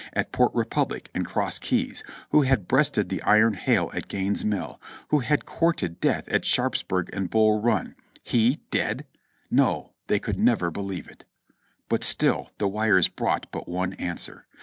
at Port Republic, and Cross Keys ; who had breasted the iron hail at Gaines' Mill ; who had courted death at Sharpsburg and Bull Run. He dead? No, they could never believe it. But still the wires brought but one answer.